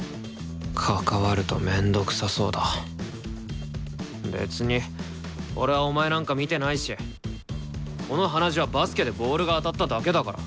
関わると面倒くさそうだ別に俺はお前なんか見てないしこの鼻血はバスケでボールが当たっただけだから。